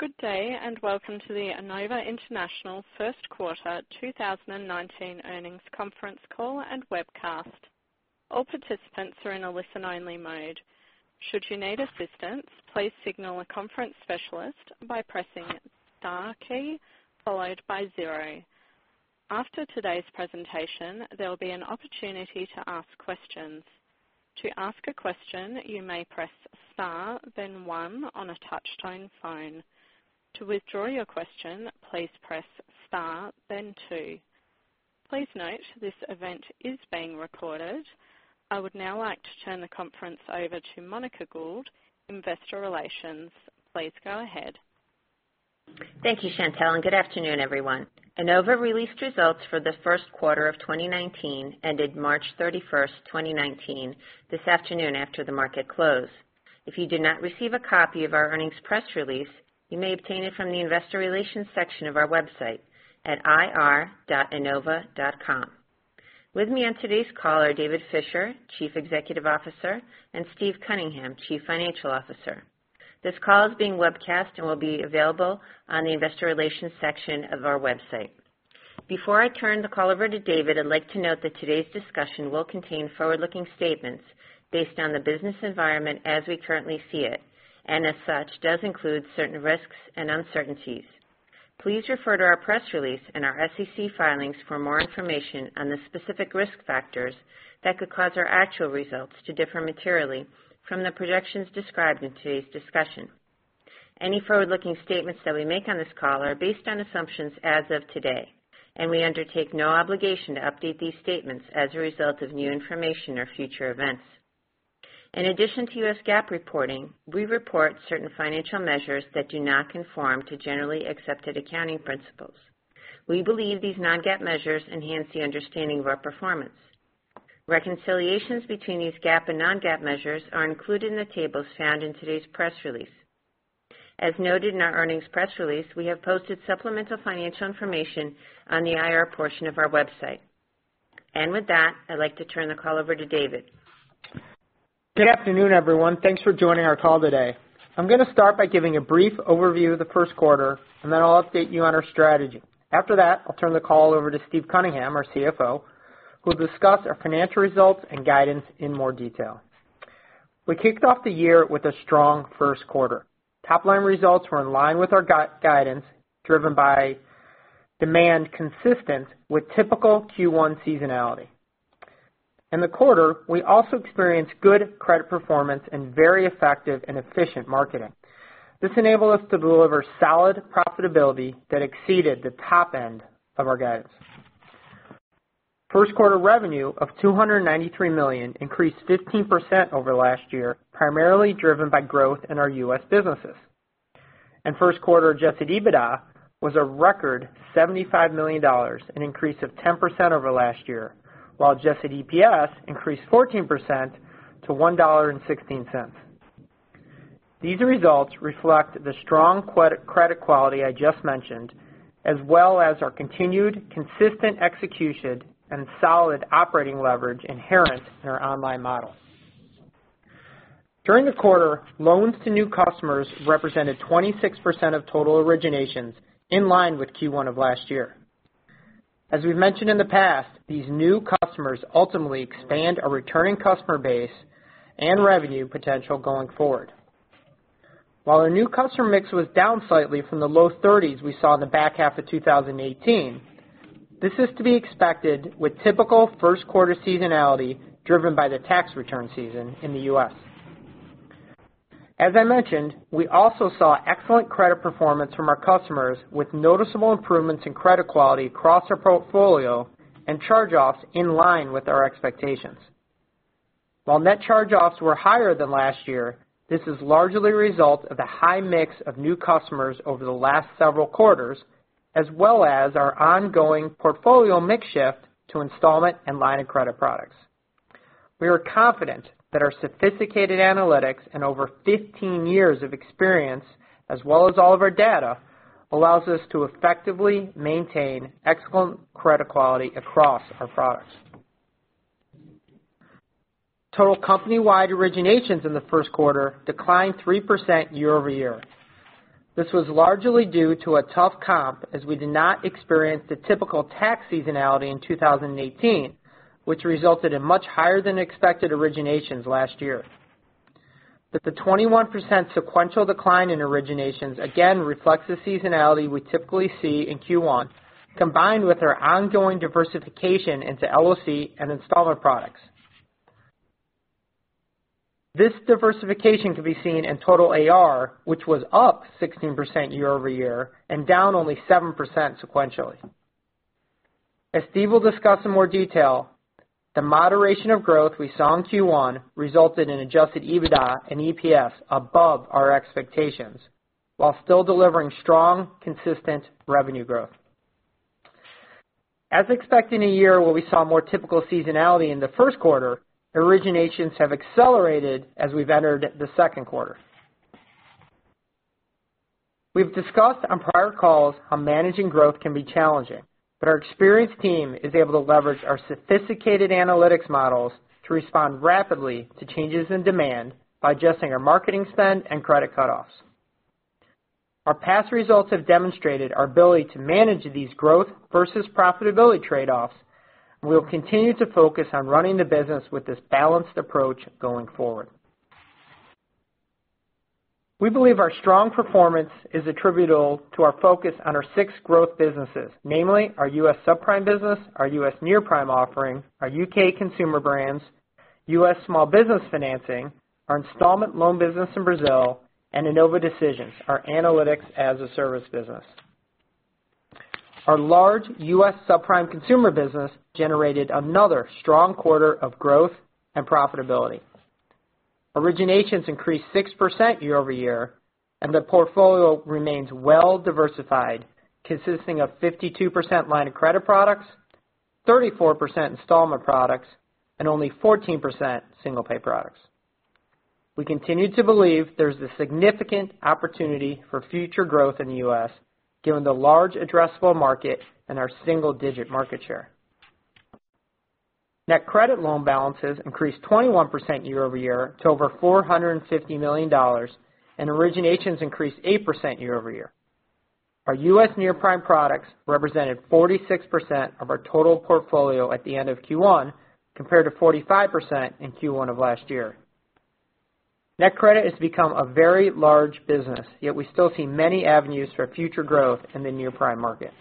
Good day. Welcome to the Enova International First Quarter 2019 Earnings Conference Call and Webcast. All participants are in a listen-only mode. Should you need assistance, please signal a conference specialist by pressing Star key followed by 0. After today's presentation, there will be an opportunity to ask questions. To ask a question, you may press Star, then 1 on a touch-tone phone. To withdraw your question, please press Star, then 2. Please note, this event is being recorded. I would now like to turn the conference over to Monica Gould, Investor Relations. Please go ahead. Thank you, Chantal. Good afternoon, everyone. Enova released results for the first quarter of 2019, ended March 31st, 2019 this afternoon after the market close. If you did not receive a copy of our earnings press release, you may obtain it from the Investor Relations section of our website at ir.enova.com. With me on today's call are David Fisher, Chief Executive Officer, and Steve Cunningham, Chief Financial Officer. This call is being webcast and will be available on the Investor Relations section of our website. Before I turn the call over to David, I'd like to note that today's discussion will contain forward-looking statements based on the business environment as we currently see it, and as such, does include certain risks and uncertainties. Please refer to our press release and our SEC filings for more information on the specific risk factors that could cause our actual results to differ materially from the projections described in today's discussion. Any forward-looking statements that we make on this call are based on assumptions as of today, and we undertake no obligation to update these statements as a result of new information or future events. In addition to U.S. GAAP reporting, we report certain financial measures that do not conform to generally accepted accounting principles. We believe these non-GAAP measures enhance the understanding of our performance. Reconciliations between these GAAP and non-GAAP measures are included in the tables found in today's press release. As noted in our earnings press release, we have posted supplemental financial information on the IR portion of our website. With that, I'd like to turn the call over to David. Good afternoon, everyone. Thanks for joining our call today. I'm going to start by giving a brief overview of the first quarter, and then I'll update you on our strategy. After that, I'll turn the call over to Steve Cunningham, our CFO, who will discuss our financial results and guidance in more detail. We kicked off the year with a strong first quarter. Topline results were in line with our guidance, driven by demand consistent with typical Q1 seasonality. In the quarter, we also experienced good credit performance and very effective and efficient marketing. This enabled us to deliver solid profitability that exceeded the top end of our guidance. First quarter revenue of $293 million increased 15% over last year, primarily driven by growth in our U.S. businesses. First quarter adjusted EBITDA was a record $75 million, an increase of 10% over last year, while adjusted EPS increased 14% to $1.16. These results reflect the strong credit quality I just mentioned, as well as our continued consistent execution and solid operating leverage inherent in our online model. During the quarter, loans to new customers represented 26% of total originations, in line with Q1 of last year. As we've mentioned in the past, these new customers ultimately expand our returning customer base and revenue potential going forward. While the new customer mix was down slightly from the low 30s we saw in the back half of 2018, this is to be expected with typical first quarter seasonality driven by the tax return season in the U.S. As I mentioned, we also saw excellent credit performance from our customers, with noticeable improvements in credit quality across our portfolio and charge-offs in line with our expectations. While net charge-offs were higher than last year, this is largely a result of the high mix of new customers over the last several quarters, as well as our ongoing portfolio mix shift to installment and line of credit products. We are confident that our sophisticated analytics and over 15 years of experience, as well as all of our data, allows us to effectively maintain excellent credit quality across our products. Total company-wide originations in the first quarter declined 3% year-over-year. This was largely due to a tough comp, as we did not experience the typical tax seasonality in 2018, which resulted in much higher than expected originations last year. The 21% sequential decline in originations again reflects the seasonality we typically see in Q1, combined with our ongoing diversification into LOC and installment products. This diversification can be seen in total AR, which was up 16% year-over-year and down only 7% sequentially. As Steve will discuss in more detail, the moderation of growth we saw in Q1 resulted in adjusted EBITDA and EPS above our expectations while still delivering strong, consistent revenue growth. As expected in a year where we saw more typical seasonality in the first quarter, originations have accelerated as we've entered the second quarter. We've discussed on prior calls how managing growth can be challenging. Our experienced team is able to leverage our sophisticated analytics models to respond rapidly to changes in demand by adjusting our marketing spend and credit cutoffs. Our past results have demonstrated our ability to manage these growth versus profitability trade-offs, and we will continue to focus on running the business with this balanced approach going forward. We believe our strong performance is attributable to our focus on our six growth businesses, namely our U.S. subprime business, our U.S. near-prime offering, our U.K. consumer brands, U.S. small business financing, our installment loan business in Brazil, and Enova Decisions, our analytics-as-a-service business. Our large U.S. subprime consumer business generated another strong quarter of growth and profitability. Originations increased 6% year-over-year, and the portfolio remains well-diversified, consisting of 52% line of credit products, 34% installment products, and only 14% single-pay products. We continue to believe there's a significant opportunity for future growth in the U.S., given the large addressable market and our single-digit market share. NetCredit loan balances increased 21% year-over-year to over $450 million, and originations increased 8% year-over-year. Our U.S. near-prime products represented 46% of our total portfolio at the end of Q1, compared to 45% in Q1 of last year. NetCredit has become a very large business, yet we still see many avenues for future growth in the near-prime market.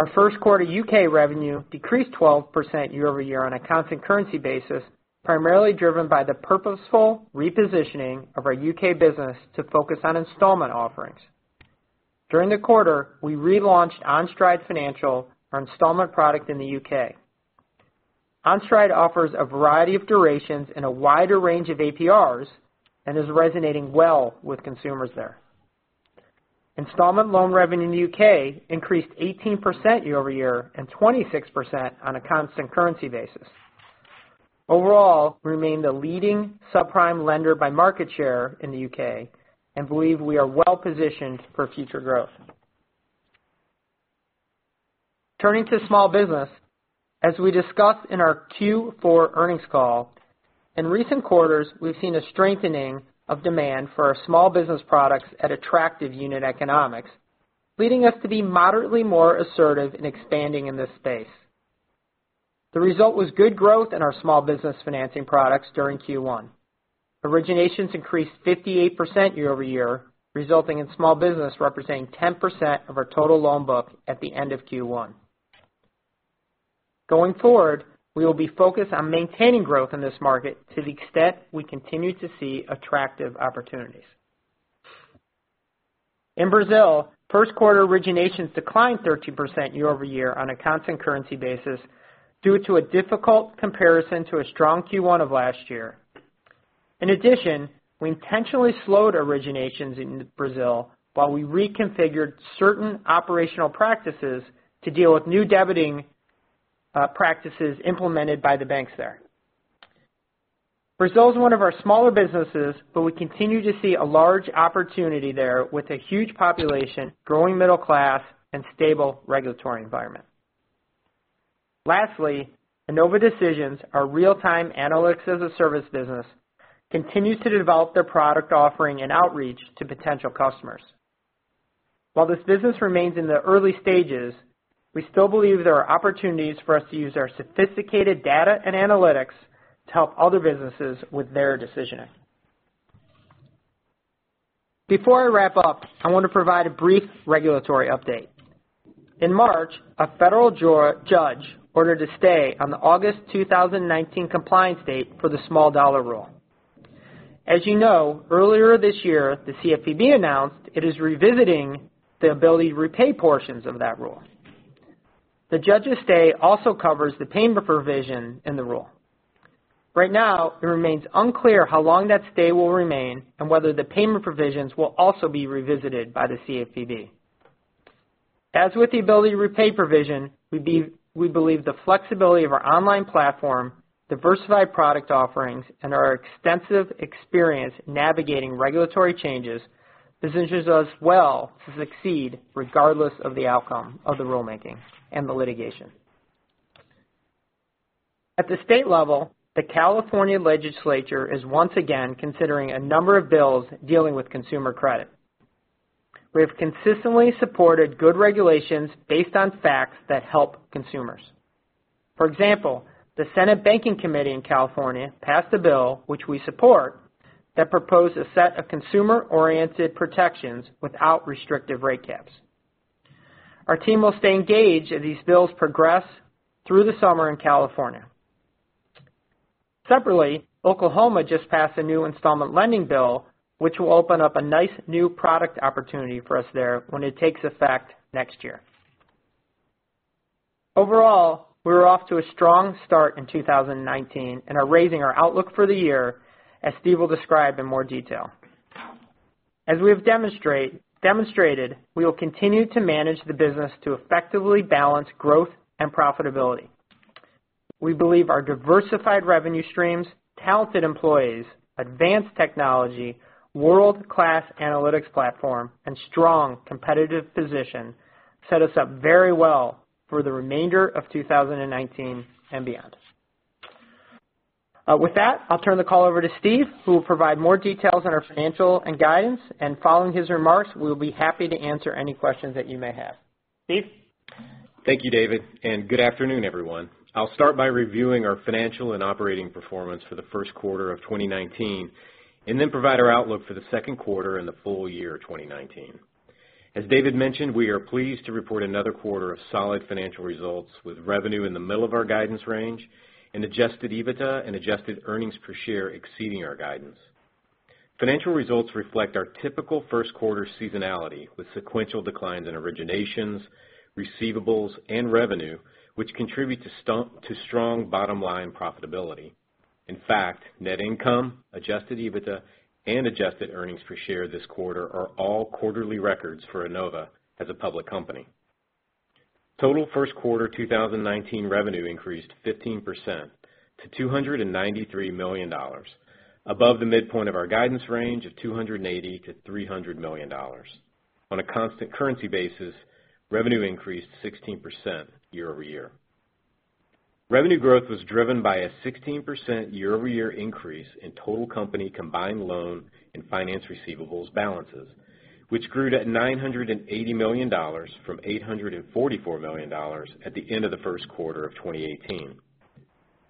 Our first quarter U.K. revenue decreased 12% year-over-year on a constant currency basis, primarily driven by the purposeful repositioning of our U.K. business to focus on installment offerings. During the quarter, we relaunched On Stride Financial, our installment product in the U.K. On Stride offers a variety of durations and a wider range of APRs and is resonating well with consumers there. Installment loan revenue in the U.K. increased 18% year-over-year and 26% on a constant currency basis. Overall, we remain the leading subprime lender by market share in the U.K. and believe we are well-positioned for future growth. Turning to small business, as we discussed in our Q4 earnings call, in recent quarters, we've seen a strengthening of demand for our small business products at attractive unit economics, leading us to be moderately more assertive in expanding in this space. The result was good growth in our small business financing products during Q1. Originations increased 58% year-over-year, resulting in small business representing 10% of our total loan book at the end of Q1. Going forward, we will be focused on maintaining growth in this market to the extent we continue to see attractive opportunities. In Brazil, first quarter originations declined 13% year-over-year on a constant currency basis due to a difficult comparison to a strong Q1 of last year. In addition, we intentionally slowed originations in Brazil while we reconfigured certain operational practices to deal with new debiting practices implemented by the banks there. Brazil is one of our smaller businesses, but we continue to see a large opportunity there with a huge population, growing middle class, and stable regulatory environment. Lastly, Enova Decisions, our real-time analytics-as-a-service business, continues to develop their product offering and outreach to potential customers. While this business remains in the early stages, we still believe there are opportunities for us to use our sophisticated data and analytics to help other businesses with their decisioning. Before I wrap up, I want to provide a brief regulatory update. In March, a federal judge ordered a stay on the August 2019 compliance date for the Small Dollar Rule. As you know, earlier this year, the CFPB announced it is revisiting the ability to repay portions of that rule. The judge's stay also covers the payment provision in the rule. Right now, it remains unclear how long that stay will remain and whether the payment provisions will also be revisited by the CFPB. As with the ability to repay provision, we believe the flexibility of our online platform, diversified product offerings, and our extensive experience navigating regulatory changes positions us well to succeed regardless of the outcome of the rulemaking and the litigation. At the state level, the California legislature is once again considering a number of bills dealing with consumer credit. We have consistently supported good regulations based on facts that help consumers. For example, the Senate Banking Committee in California passed a bill, which we support, that proposed a set of consumer-oriented protections without restrictive rate caps. Our team will stay engaged as these bills progress through the summer in California. Separately, Oklahoma just passed a new installment lending bill, which will open up a nice new product opportunity for us there when it takes effect next year. Overall, we are off to a strong start in 2019 and are raising our outlook for the year, as Steve will describe in more detail. As we have demonstrated, we will continue to manage the business to effectively balance growth and profitability. We believe our diversified revenue streams, talented employees, advanced technology, world-class analytics platform, and strong competitive position set us up very well for the remainder of 2019 and beyond. With that, I'll turn the call over to Steve, who will provide more details on our financial and guidance. Following his remarks, we'll be happy to answer any questions that you may have. Steve? Thank you, David, good afternoon, everyone. I'll start by reviewing our financial and operating performance for the first quarter of 2019, then provide our outlook for the second quarter and the full year 2019. As David mentioned, we are pleased to report another quarter of solid financial results, with revenue in the middle of our guidance range, and adjusted EBITDA and adjusted earnings per share exceeding our guidance. Financial results reflect our typical first quarter seasonality, with sequential declines in originations, receivables, and revenue, which contribute to strong bottom line profitability. In fact, net income, adjusted EBITDA, and adjusted earnings per share this quarter are all quarterly records for Enova as a public company. Total first quarter 2019 revenue increased 15% to $293 million, above the midpoint of our guidance range of $280 million to $300 million. On a constant currency basis, revenue increased 16% year-over-year. Revenue growth was driven by a 16% year-over-year increase in total company combined loan and finance receivables balances, which grew to $980 million from $844 million at the end of the first quarter of 2018.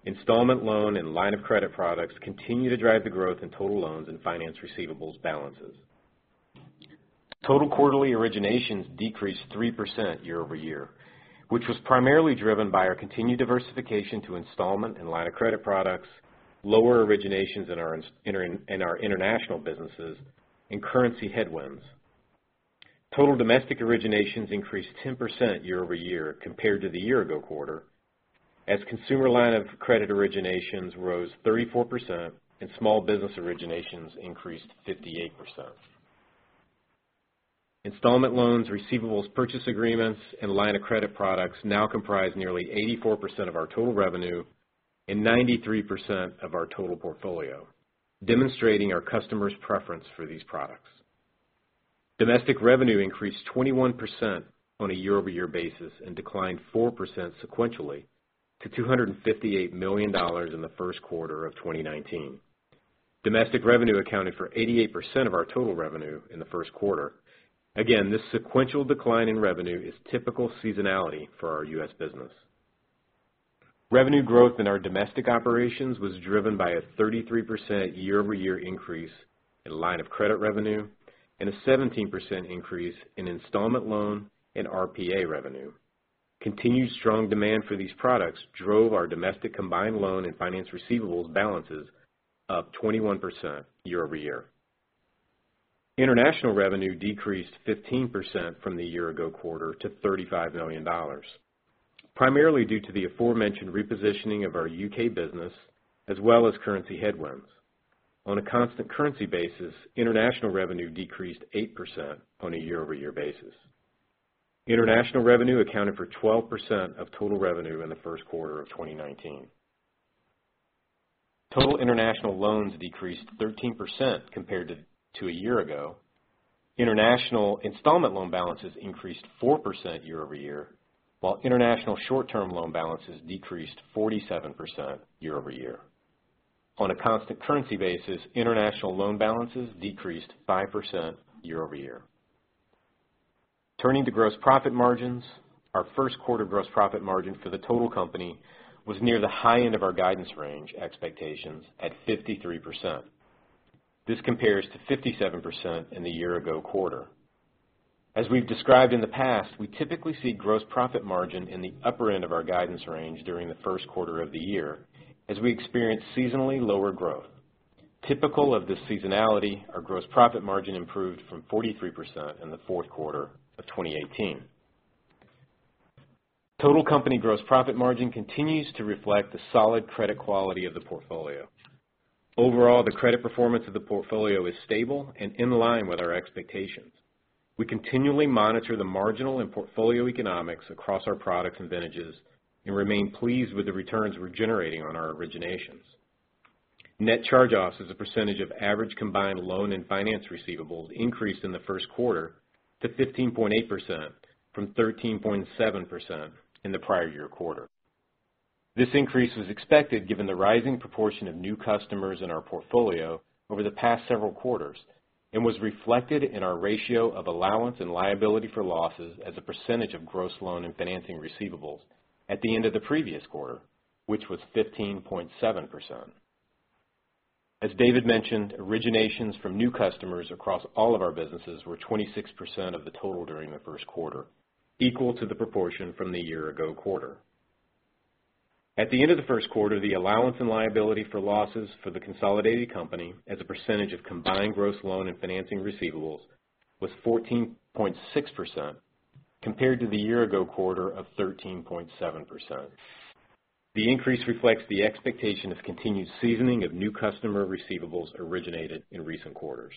Installment loan and line of credit products continue to drive the growth in total loans and finance receivables balances. Total quarterly originations decreased 3% year-over-year, which was primarily driven by our continued diversification to installment and line of credit products, lower originations in our international businesses, and currency headwinds. Total domestic originations increased 10% year-over-year compared to the year ago quarter, as consumer line of credit originations rose 34% and small business originations increased 58%. Installment loans, receivables purchase agreements, and line of credit products now comprise nearly 84% of our total revenue and 93% of our total portfolio, demonstrating our customers' preference for these products. Domestic revenue increased 21% on a year-over-year basis and declined 4% sequentially to $258 million in the first quarter of 2019. Domestic revenue accounted for 88% of our total revenue in the first quarter. Again, this sequential decline in revenue is typical seasonality for our U.S. business. Revenue growth in our domestic operations was driven by a 33% year-over-year increase in line of credit revenue and a 17% increase in installment loan and RPA revenue. Continued strong demand for these products drove our domestic combined loan and finance receivables balances up 21% year-over-year. International revenue decreased 15% from the year ago quarter to $35 million, primarily due to the aforementioned repositioning of our U.K. business as well as currency headwinds. On a constant currency basis, international revenue decreased 8% on a year-over-year basis. International revenue accounted for 12% of total revenue in the first quarter of 2019. Total international loans decreased 13% compared to a year ago. International installment loan balances increased 4% year-over-year, while international short-term loan balances decreased 47% year-over-year. On a constant currency basis, international loan balances decreased 5% year-over-year. Turning to gross profit margins. Our first quarter gross profit margin for the total company was near the high end of our guidance range expectations at 53%. This compares to 57% in the year ago quarter. As we've described in the past, we typically see gross profit margin in the upper end of our guidance range during the first quarter of the year as we experience seasonally lower growth. Typical of this seasonality, our gross profit margin improved from 43% in the fourth quarter of 2018. Total company gross profit margin continues to reflect the solid credit quality of the portfolio. Overall, the credit performance of the portfolio is stable and in line with our expectations. We continually monitor the marginal and portfolio economics across our products and vintages and remain pleased with the returns we're generating on our originations. Net charge-offs as a percentage of average combined loan and finance receivables increased in the first quarter to 15.8% from 13.7% in the prior year quarter. This increase was expected given the rising proportion of new customers in our portfolio over the past several quarters and was reflected in our ratio of allowance and liability for losses as a percentage of gross loan and financing receivables at the end of the previous quarter, which was 15.7%. As David mentioned, originations from new customers across all of our businesses were 26% of the total during the first quarter, equal to the proportion from the year ago quarter. At the end of the first quarter, the allowance and liability for losses for the consolidated company as a percentage of combined gross loan and financing receivables was 14.6% compared to the year ago quarter of 13.7%. The increase reflects the expectation of continued seasoning of new customer receivables originated in recent quarters.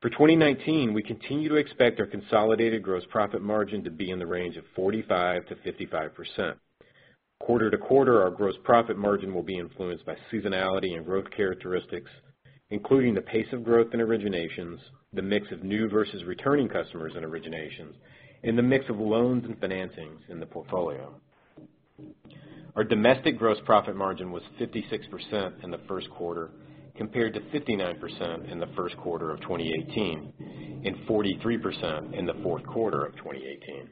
For 2019, we continue to expect our consolidated gross profit margin to be in the range of 45%-55%. Quarter-to-quarter, our gross profit margin will be influenced by seasonality and growth characteristics, including the pace of growth in originations, the mix of new versus returning customers in originations, and the mix of loans and financings in the portfolio. Our domestic gross profit margin was 56% in the first quarter compared to 59% in the first quarter of 2018, and 43% in the fourth quarter of 2018.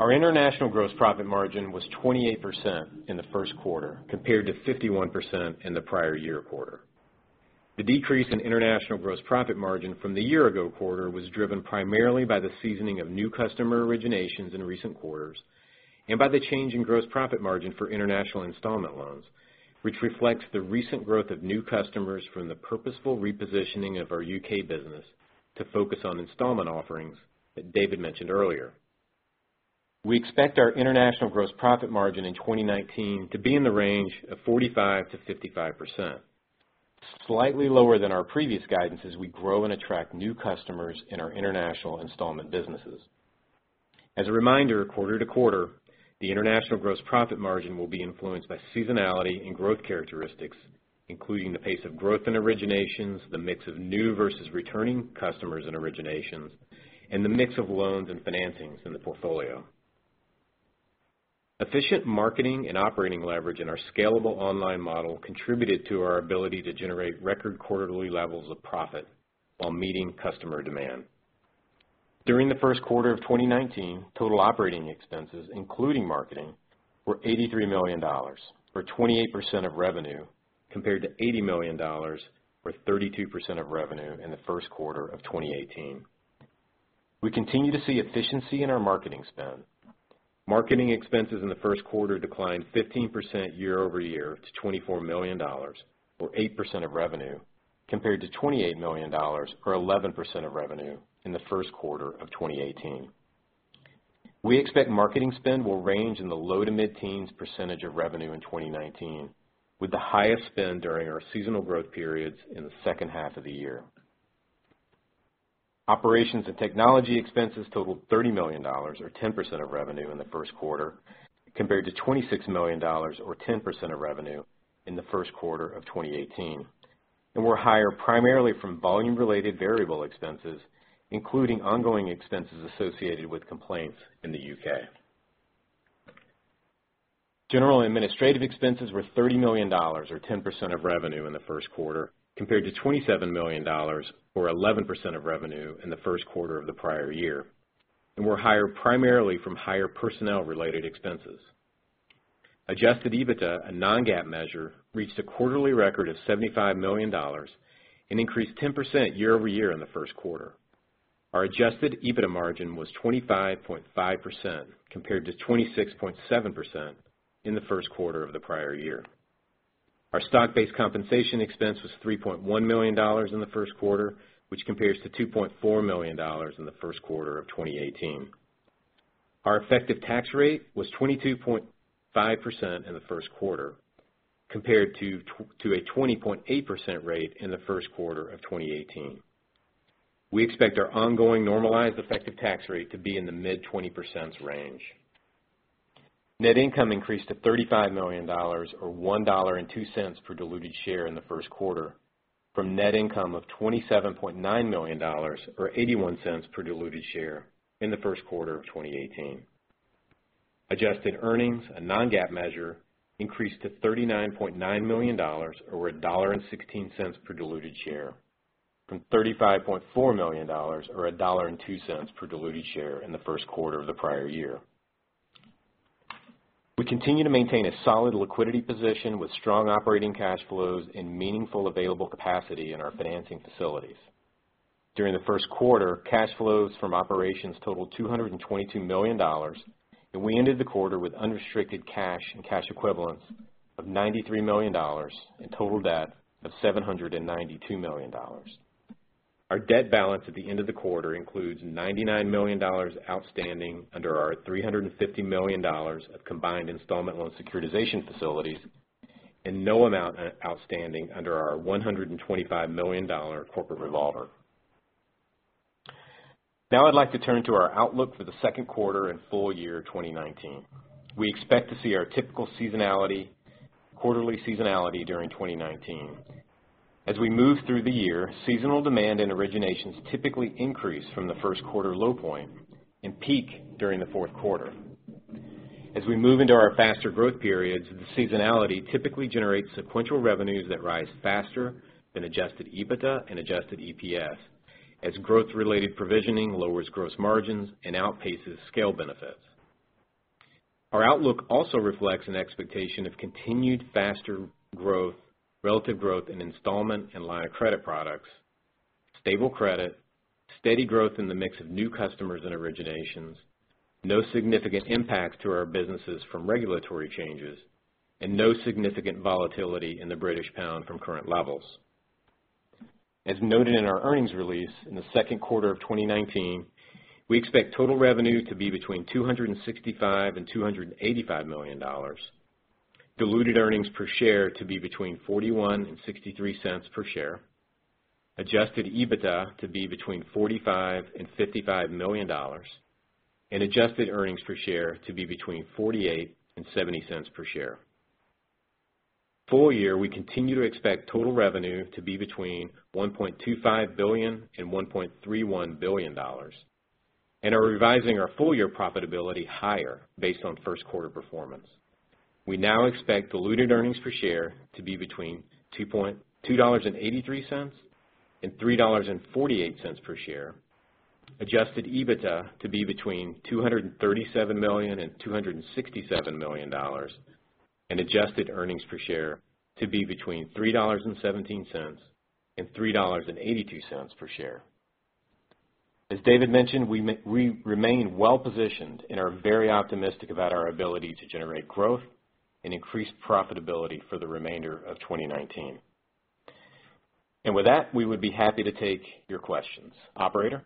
Our international gross profit margin was 28% in the first quarter compared to 51% in the prior year quarter. The decrease in international gross profit margin from the year ago quarter was driven primarily by the seasoning of new customer originations in recent quarters, and by the change in gross profit margin for international installment loans, which reflects the recent growth of new customers from the purposeful repositioning of our U.K. business to focus on installment offerings that David mentioned earlier. We expect our international gross profit margin in 2019 to be in the range of 45%-55%, slightly lower than our previous guidance as we grow and attract new customers in our international installment businesses. As a reminder, quarter-to-quarter, the international gross profit margin will be influenced by seasonality and growth characteristics, including the pace of growth in originations, the mix of new versus returning customers in originations, and the mix of loans and financings in the portfolio. Efficient marketing and operating leverage in our scalable online model contributed to our ability to generate record quarterly levels of profit while meeting customer demand. During the first quarter of 2019, total operating expenses, including marketing, were $83 million, or 28% of revenue, compared to $80 million, or 32% of revenue in the first quarter of 2018. We continue to see efficiency in our marketing spend. Marketing expenses in the first quarter declined 15% year-over-year to $24 million, or 8% of revenue, compared to $28 million, or 11% of revenue in the first quarter of 2018. We expect marketing spend will range in the low to mid-teens percentage of revenue in 2019, with the highest spend during our seasonal growth periods in the second half of the year. Operations and technology expenses totaled $30 million, or 10% of revenue in the first quarter, compared to $26 million, or 10% of revenue in the first quarter of 2018, and were higher primarily from volume related variable expenses, including ongoing expenses associated with complaints in the U.K. General administrative expenses were $30 million, or 10% of revenue in the first quarter, compared to $27 million, or 11% of revenue in the first quarter of the prior year, and were higher primarily from higher personnel-related expenses. Adjusted EBITDA, a non-GAAP measure, reached a quarterly record of $75 million and increased 10% year-over-year in the first quarter. Our adjusted EBITDA margin was 25.5%, compared to 26.7% in the first quarter of the prior year. Our stock-based compensation expense was $3.1 million in the first quarter, which compares to $2.4 million in the first quarter of 2018. Our effective tax rate was 22.5% in the first quarter compared to a 20.8% rate in the first quarter of 2018. We expect our ongoing normalized effective tax rate to be in the mid-20% range. Net income increased to $35 million, or $1.02 per diluted share in the first quarter from net income of $27.9 million, or $0.81 per diluted share in the first quarter of 2018. Adjusted earnings, a non-GAAP measure, increased to $39.9 million, or $1.16 per diluted share, from $35.4 million, or $1.02 per diluted share in the first quarter of the prior year. We continue to maintain a solid liquidity position with strong operating cash flows and meaningful available capacity in our financing facilities. During the first quarter, cash flows from operations totaled $222 million, and we ended the quarter with unrestricted cash and cash equivalents of $93 million and total debt of $792 million. Our debt balance at the end of the quarter includes $99 million outstanding under our $350 million of combined installment loan securitization facilities and no amount outstanding under our $125 million corporate revolver. Now I'd like to turn to our outlook for the second quarter and full year 2019. We expect to see our typical quarterly seasonality during 2019. As we move through the year, seasonal demand and originations typically increase from the first quarter low point and peak during the fourth quarter. As we move into our faster growth periods, the seasonality typically generates sequential revenues that rise faster than adjusted EBITDA and adjusted EPS as growth-related provisioning lowers gross margins and outpaces scale benefits. Our outlook also reflects an expectation of continued faster growth, relative growth in installment and line of credit products, stable credit, steady growth in the mix of new customers and originations, no significant impacts to our businesses from regulatory changes, and no significant volatility in the British pound from current levels. As noted in our earnings release, in the second quarter of 2019, we expect total revenue to be between $265 million-$285 million, diluted earnings per share to be between $0.41-$0.63 per share, adjusted EBITDA to be between $45 million-$55 million, and adjusted earnings per share to be between $0.48-$0.70 per share. Full year, we continue to expect total revenue to be between $1.25 billion-$1.31 billion and are revising our full-year profitability higher based on first quarter performance. We now expect diluted earnings per share to be between $2.83-$3.48 per share, adjusted EBITDA to be between $237 million-$267 million, and adjusted earnings per share to be between $3.17-$3.82 per share. As David mentioned, we remain well-positioned and are very optimistic about our ability to generate growth and increase profitability for the remainder of 2019. With that, we would be happy to take your questions. Operator?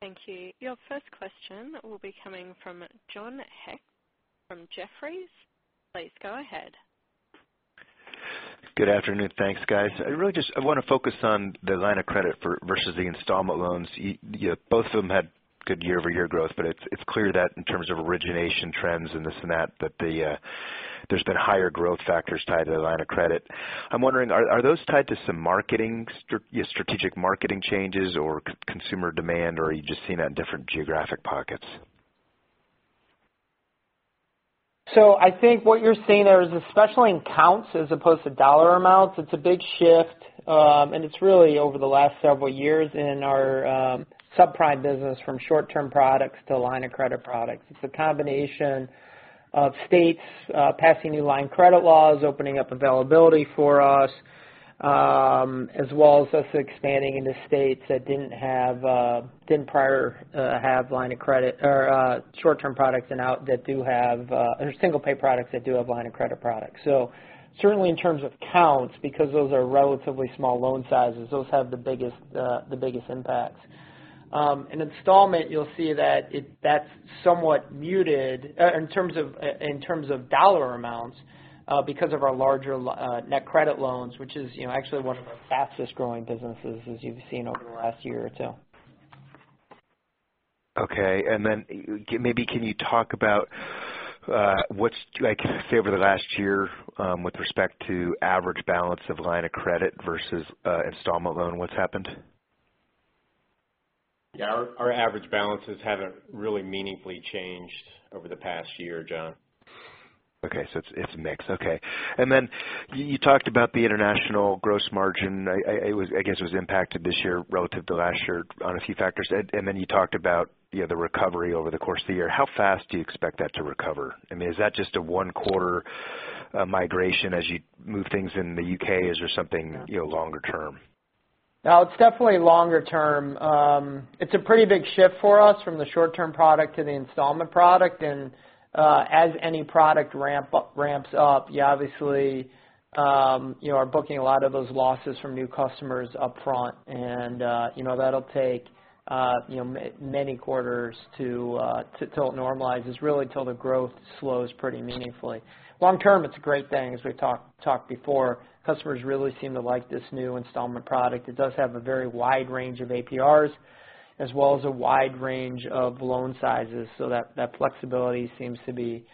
Thank you. Your first question will be coming from John Hecht from Jefferies. Please go ahead. Good afternoon. Thanks, guys. I want to focus on the line of credit versus the installment loans. Both of them had good year-over-year growth, it's clear that in terms of origination trends and this and that there's been higher growth factors tied to the line of credit. I'm wondering, are those tied to some strategic marketing changes or consumer demand, or are you just seeing that in different geographic pockets? I think what you're seeing there is, especially in counts as opposed to dollar amounts, it's a big shift. It's really over the last several years in our subprime business from short-term products to line of credit products. It's a combination of states passing new line of credit laws, opening up availability for us, as well as us expanding into states that didn't prior have short-term products and single-pay products that do have line of credit products. Certainly in terms of counts, because those are relatively small loan sizes, those have the biggest impacts. In installment, you'll see that that's somewhat muted in terms of dollar amounts because of our larger NetCredit loans, which is actually one of our fastest growing businesses as you've seen over the last year or two. Okay. Maybe can you talk about, say, over the last year with respect to average balance of line of credit versus installment loan, what's happened? Our average balances haven't really meaningfully changed over the past year, John. Okay, it's mixed. Okay. You talked about the international gross margin. I guess it was impacted this year relative to last year on a few factors. You talked about the recovery over the course of the year. How fast do you expect that to recover? Is that just a one-quarter migration as you move things in the U.K.? Is there something longer term? No, it's definitely longer term. It's a pretty big shift for us from the short-term product to the installment product. As any product ramps up, you obviously are booking a lot of those losses from new customers upfront. That'll take many quarters till it normalizes, really till the growth slows pretty meaningfully. Long term, it's a great thing. As we've talked before, customers really seem to like this new installment product. It does have a very wide range of APRs as well as a wide range of loan sizes. That flexibility seems to be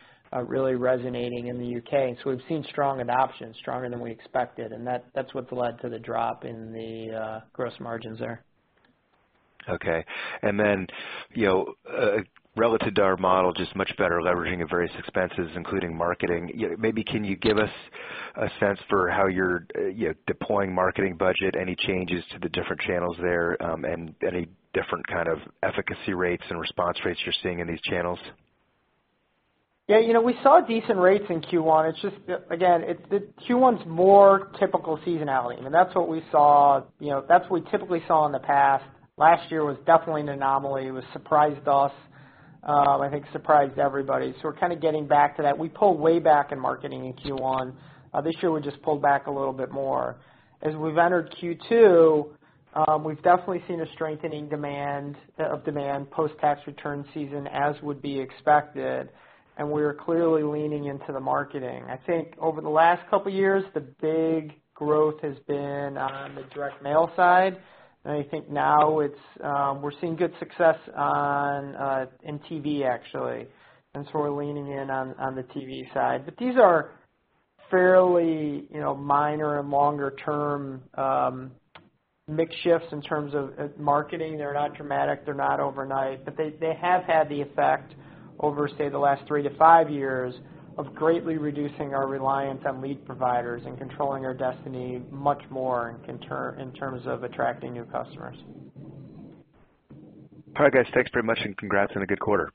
really resonating in the U.K. We've seen strong adoption, stronger than we expected, and that's what's led to the drop in the gross margins there. Okay. Relative to our model, just much better leveraging of various expenses, including marketing. Maybe can you give us a sense for how you're deploying marketing budget, any changes to the different channels there, and any different kind of efficacy rates and response rates you're seeing in these channels? Yeah, we saw decent rates in Q1. It's just, again, Q1's more typical seasonality. That's what we typically saw in the past. Last year was definitely an anomaly. It surprised us. I think it surprised everybody. We're kind of getting back to that. We pulled way back in marketing in Q1. This year, we just pulled back a little bit more. As we've entered Q2, we've definitely seen a strengthening of demand post tax return season, as would be expected, and we are clearly leaning into the marketing. I think over the last couple of years, the big growth has been on the direct mail side. I think now we're seeing good success in TV, actually. We're leaning in on the TV side. These are fairly minor and longer-term mix shifts in terms of marketing. They're not dramatic, they're not overnight, they have had the effect over, say, the last three to five years of greatly reducing our reliance on lead providers and controlling our destiny much more in terms of attracting new customers. All right, guys. Thanks very much, and congrats on a good quarter.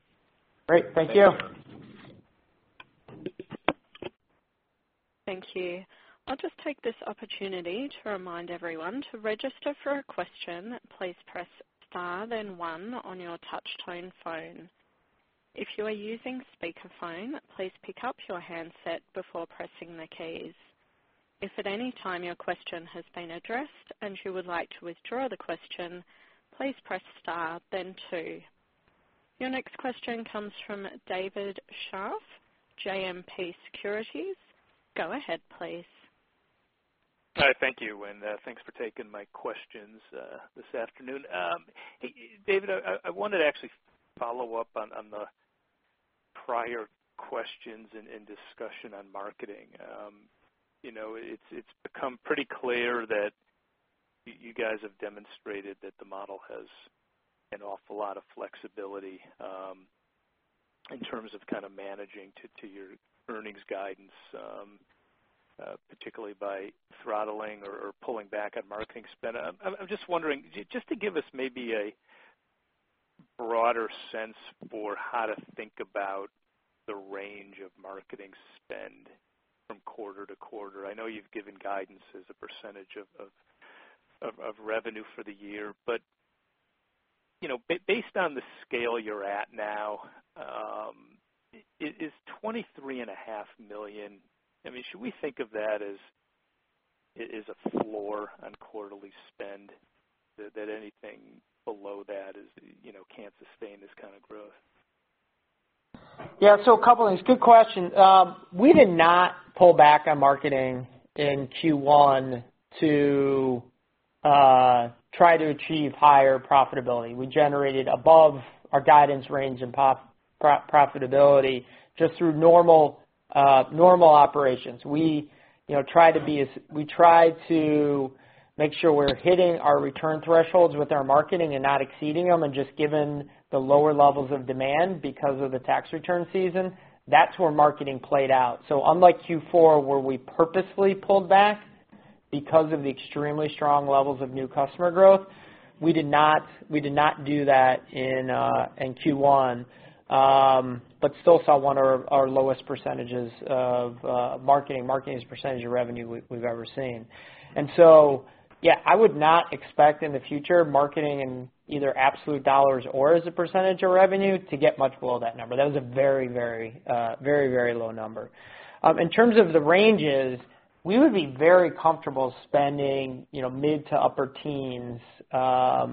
Great. Thank you. Thank you. I'll just take this opportunity to remind everyone, to register for a question, please press star then one on your touch tone phone. If you are using speakerphone, please pick up your handset before pressing the keys. If at any time your question has been addressed and you would like to withdraw the question, please press star, then two. Your next question comes from David Scharf, JMP Securities. Go ahead, please. Hi. Thanks for taking my questions this afternoon. Hey, David, I wanted to actually follow up on the prior questions and discussion on marketing. It's become pretty clear that you guys have demonstrated that the model has an awful lot of flexibility, in terms of managing to your earnings guidance, particularly by throttling or pulling back on marketing spend. I'm just wondering, just to give us maybe a broader sense for how to think about the range of marketing spend from quarter to quarter. I know you've given guidance as a % of revenue for the year, Based on the scale you're at now, is $23.5 million, should we think of that as a floor on quarterly spend? That anything below that can't sustain this kind of growth? Yeah. A couple things. Good question. We did not pull back on marketing in Q1 to try to achieve higher profitability. We generated above our guidance range in profitability just through normal operations. We try to make sure we're hitting our return thresholds with our marketing and not exceeding them, and just given the lower levels of demand because of the tax return season, that's where marketing played out. Unlike Q4, where we purposefully pulled back because of the extremely strong levels of new customer growth, we did not do that in Q1, but still saw one of our lowest percentages of marketing as a percentage of revenue we've ever seen. Yeah, I would not expect in the future, marketing in either absolute dollars or as a percentage of revenue, to get much below that number. That was a very low number. In terms of the ranges, we would be very comfortable spending mid to upper teens as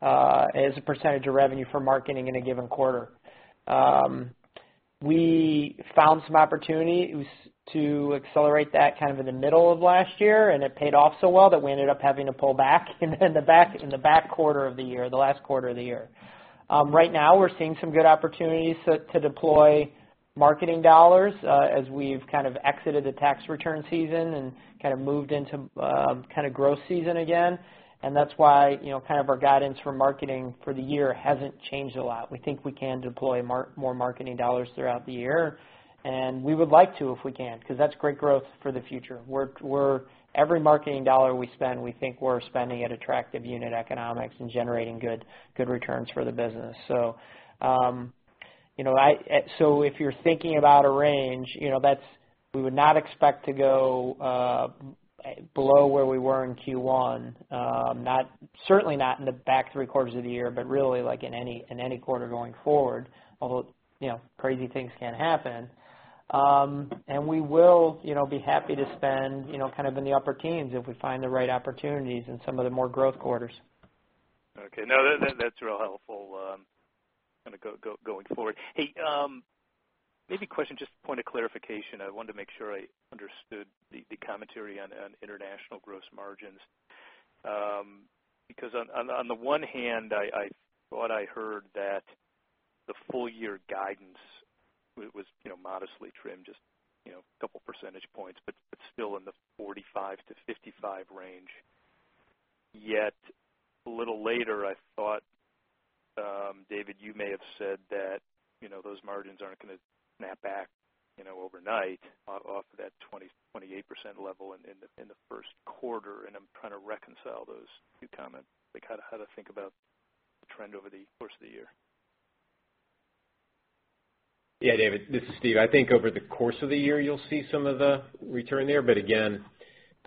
a percentage of revenue for marketing in a given quarter. We found some opportunities to accelerate that in the middle of last year, and it paid off so well that we ended up having to pull back in the back quarter of the year, the last quarter of the year. Right now, we're seeing some good opportunities to deploy marketing dollars as we've exited the tax return season and moved into growth season again. That's why our guidance for marketing for the year hasn't changed a lot. We think we can deploy more marketing dollars throughout the year, and we would like to if we can, because that's great growth for the future. Every marketing dollar we spend, we think we're spending at attractive unit economics and generating good returns for the business. If you're thinking about a range, we would not expect to go below where we were in Q1. Certainly not in the back three quarters of the year, but really in any quarter going forward, although crazy things can happen. We will be happy to spend in the upper teens if we find the right opportunities in some of the more growth quarters. Okay. No, that's real helpful going forward. Hey, maybe a question, just a point of clarification. I wanted to make sure I understood the commentary on international gross margins. On the one hand, I thought I heard that the full year guidance was modestly trimmed just a couple percentage points, but still in the 45%-55% range. Yet, a little later, I thought, David, you may have said that those margins aren't going to snap back overnight off of that 28% level in the first quarter, and I'm trying to reconcile those two comments. How to think about the trend over the course of the year. Yeah, David, this is Steve. I think over the course of the year, you'll see some of the return there. Again,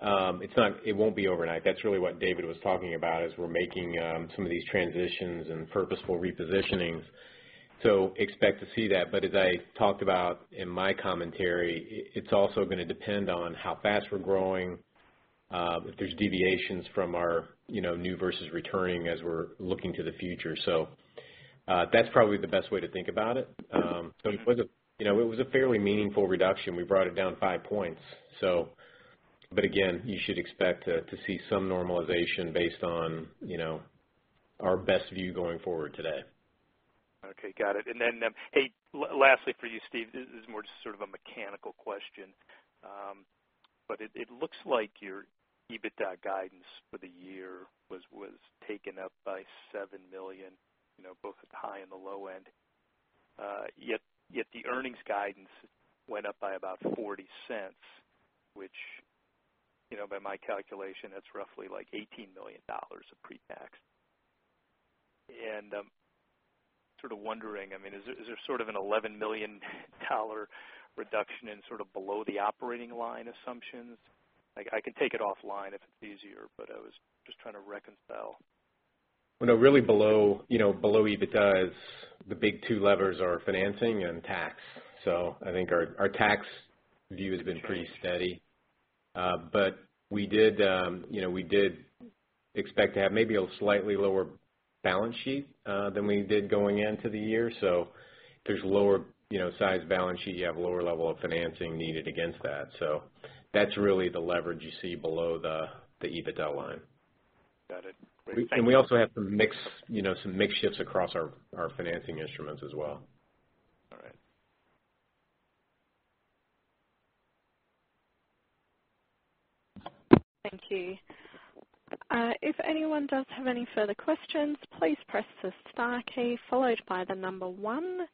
it won't be overnight. That's really what David was talking about, as we're making some of these transitions and purposeful repositionings. Expect to see that. As I talked about in my commentary, it's also going to depend on how fast we're growing, if there's deviations from our new versus returning as we're looking to the future. That's probably the best way to think about it. It was a fairly meaningful reduction. We brought it down five points. Again, you should expect to see some normalization based on our best view going forward today. Okay. Got it. Then, hey, lastly for you, Steve, this is more just sort of a mechanical question. It looks like your EBITDA guidance for the year was taken up by $7 million, both at the high and the low end. Yet the earnings guidance went up by about $0.40, which by my calculation, that's roughly $18 million of pre-tax. I'm sort of wondering, is there sort of an $11 million reduction in below the operating line assumptions? I can take it offline if it's easier, I was just trying to reconcile. Well, no, really below EBITDA is the big two levers are financing and tax. I think our tax view has been pretty steady. We did expect to have maybe a slightly lower balance sheet than we did going into the year. If there's lower size balance sheet, you have a lower level of financing needed against that. That's really the leverage you see below the EBITDA line. Got it. Great. Thank you. we also have some mix shifts across our financing instruments as well. All right. Thank you. If anyone does have any further questions, please press the star key followed by the number one.